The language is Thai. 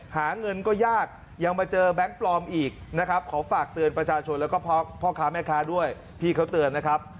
หาเงินก็ยากยังมาเจอแบงค์ปลอมอีกนะครับขอฝากเตือนประชาชนแล้วก็พ่อค้าแม่ค้าด้วยพี่เขาเตือนนะครับ